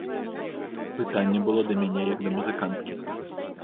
Пытанне было да мяне як да музыканткі.